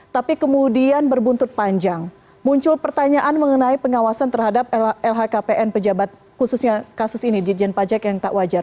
tapi kemudian berbuntut panjang muncul pertanyaan mengenai pengawasan terhadap lhkpn pejabat khususnya kasus ini dirjen pajak yang tak wajar